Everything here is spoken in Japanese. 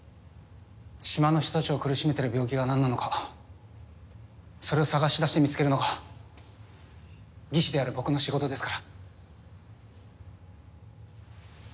島の人たちを苦しめてる病気が何なのかそれを探し出し見つけるのが技師である僕の仕事ですから。